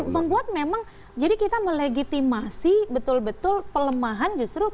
membuat memang jadi kita melegitimasi betul betul pelemahan justru